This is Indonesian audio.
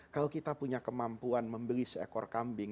kalau kita punya kemampuan membeli seekor kambing